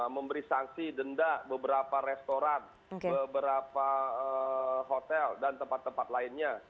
memberi sanksi denda beberapa restoran beberapa hotel dan tempat tempat lainnya